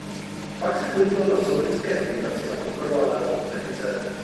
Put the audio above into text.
Pak se podílel na slovinské agitaci a podporoval národní petice.